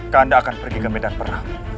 kakanda akan pergi ke medan perang